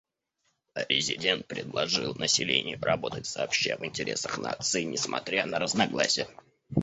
Президент предложил населению работать сообща в интересах нации, несмотря на разногласия.